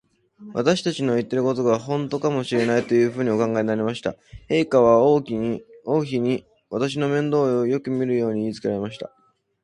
私たちの言ってることが、ほんとかもしれない、というふうにお考えになりました。陛下は王妃に、私の面倒をよくみるように言いつけられました。